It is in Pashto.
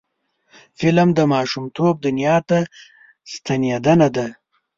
فلم د ماشومتوب دنیا ته ستنیدنه ده